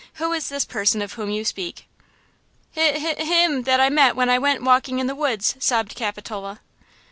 who is this person of whom you speak?" "H–h–h–him that I met when I went walking in the woods," sobbed Capitola.